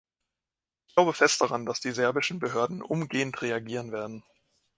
Ich glaube fest daran, dass die serbischen Behörden umgehend reagieren werden.